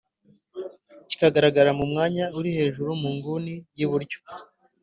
kikagaragara mu mwanya uri hejuru mu nguni y’iburyo